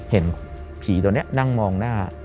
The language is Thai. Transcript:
เห็นผีตัวนี้นั่งมองหน้า